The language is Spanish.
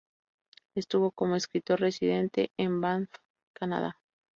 Estuvo como escritor residente en Banff, Canadá.